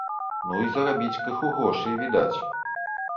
Ну, і зарабіць крыху грошай, відаць.